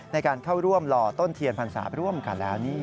ในการเข้าร่วมรอต้นเทียนภัณฑ์สาไปร่วมก่อนแล้วนี้